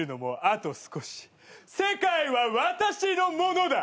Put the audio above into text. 世界は私のものだ！